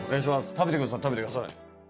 食べてください食べてください